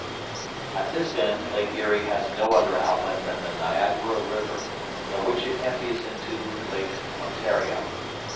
At this end Lake Erie has no other outlet than the Niagara River, by which it empties into Lake Ontario.